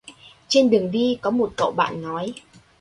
Trên đường đi có một cậu bạn nói